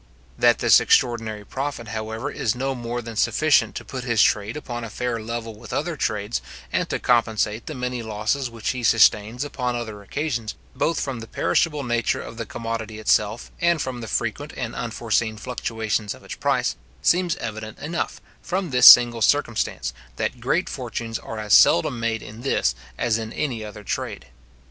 That this extraordinary profit, however, is no more than sufficient to put his trade upon a fair level with other trades, and to compensate the many losses which he sustains upon other occasions, both from the perishable nature of the commodity itself, and from the frequent and unforeseen fluctuations of its price, seems evident enough, from this single circumstance, that great fortunes are as seldom made in this as in any other trade.